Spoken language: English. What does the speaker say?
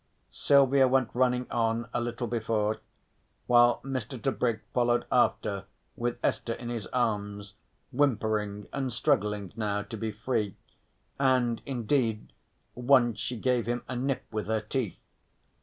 Silvia went running on a little before while Mr. Tebrick followed after with Esther in his arms whimpering and struggling now to be free, and indeed, once she gave him a nip with her teeth.